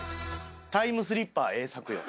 タイムスリッパー栄作よ。